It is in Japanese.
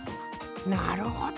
なるほど！